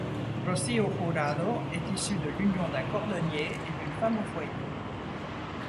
Rocío Jurado est issue de l'union d'un cordonnier et d'une femme au foyer.